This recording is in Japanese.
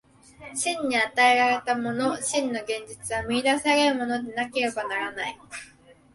真に与えられたもの、真の現実は見出されるものでなければならない。